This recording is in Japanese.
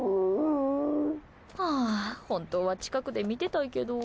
はあ本当は近くで見てたいけど。